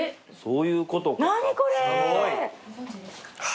ご存じですか？